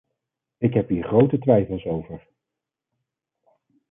Ik heb hier grote twijfels over.